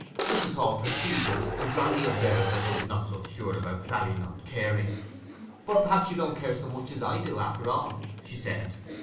Mrs. Hall perceived it, and drily observed that she was not so sure about Sally not caring. 'But perhaps you don't care so much as I do, after all,' she said.